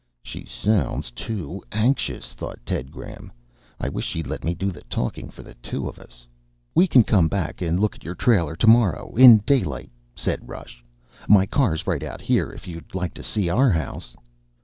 She sounds too anxious, thought Ted Graham. I wish she'd let me do the talking for the two of us. "We can come back and look at your trailer tomorrow in daylight," said Rush. "My car's right out here, if you'd like to see our house."